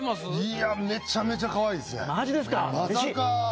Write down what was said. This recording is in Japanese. いやめちゃめちゃ可愛いですね。